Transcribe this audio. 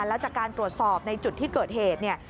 แล้วจากการตรวจสอบในจุดที่เกิดเหตุเนี่ย